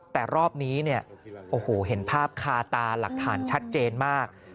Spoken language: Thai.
แต่รอบนี้เนี่ยโอ้โหเห็นภาพคาตาหลักฐานชัดเจนมาก